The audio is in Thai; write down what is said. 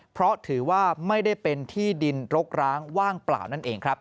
เพราะถือว่าไม่ได้เป็นที่ดินรกร้างว่างเปล่านั่นเองครับ